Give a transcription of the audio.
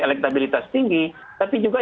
elektabilitas tinggi tapi juga